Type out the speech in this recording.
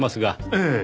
ええ。